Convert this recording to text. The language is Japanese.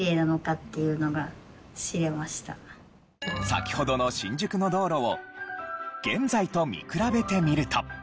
先ほどの新宿の道路を現在と見比べてみると。